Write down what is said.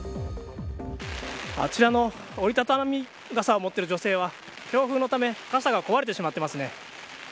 あちらの折り畳み傘を持っている女性は強風のため傘が壊れてしまっていますね。